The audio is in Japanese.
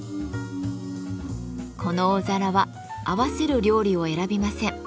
この大皿は合わせる料理を選びません。